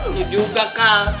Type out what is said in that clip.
lo juga kan